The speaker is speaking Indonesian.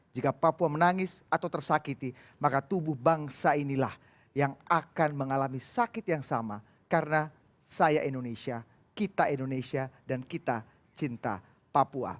jika papua menangis atau tersakiti maka tubuh bangsa inilah yang akan mengalami sakit yang sama karena saya indonesia kita indonesia dan kita cinta papua